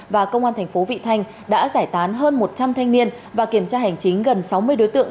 và công an thành phố vị thanh đã giải tán hơn một trăm linh thanh niên và kiểm tra hành chính gần sáu mươi đối tượng